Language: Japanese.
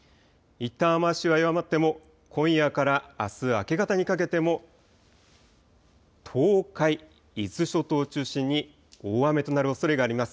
いったん雨足は弱まっても今夜からあす明け方にかけても東海、伊豆諸島を中心に大雨となるおそれがあります。